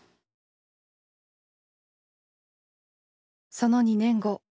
その２年後。